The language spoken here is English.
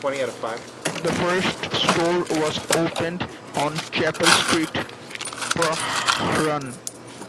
The first store was opened on Chapel Street, Prahran.